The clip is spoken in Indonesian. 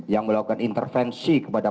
yang melakukan intervensi kepada